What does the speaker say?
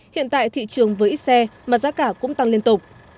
hiện tại thị trường với ít xe mà giá cả cũng tăng liên tục